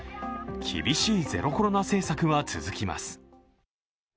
厳しいゼロコロナ政策は続きます。